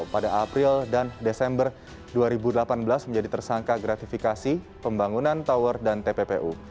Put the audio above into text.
pada april dan desember dua ribu delapan belas menjadi tersangka gratifikasi pembangunan tower dan tppu